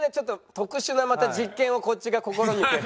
特殊な実験をこっちが試みて。